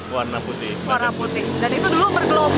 dan itu dulu bergelombol ternyata di kota bandung